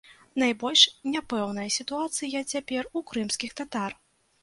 Найбольш няпэўная сітуацыя цяпер у крымскіх татар.